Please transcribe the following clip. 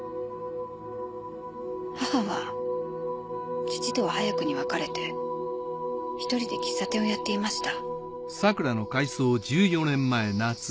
母は父とは早くに別れて１人で喫茶店をやっていました。